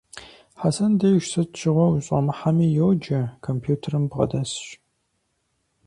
Хьэсэн деж сыт щыгъуэ ущӀэмыхьэми, йоджэ, компьютерым бгъэдэсщ.